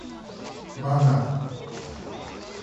ばなな